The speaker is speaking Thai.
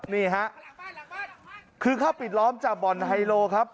นี่ฮะหลังบ้านหลังบ้านหลังบ้านคือเข้าปิดล้อมจากบอลไฮโลครับ